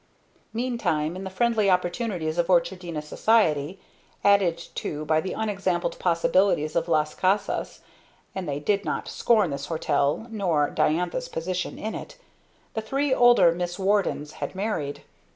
Meantime in the friendly opportunities of Orchardina society, added to by the unexampled possibilities of Las Casas (and they did not scorn this hotel nor Diantha's position in it), the three older Miss Wardens had married.